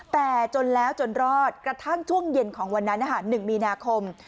แต่จนแล้วจนรอดกระทั่งช่วงเย็นของวันนั้น๑มีนาคม